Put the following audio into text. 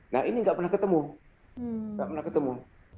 nah ini nggak pernah ketemu